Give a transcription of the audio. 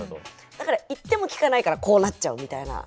だから言っても聞かないからこうなっちゃうみたいな。